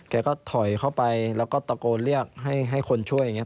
แกก็ถอยเข้าไปแล้วก็ตะโกนเรียกให้คนช่วยอย่างนี้